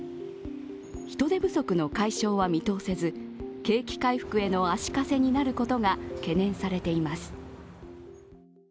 人手不足の解消は見通せず景気回復への足かせになることが懸念されています。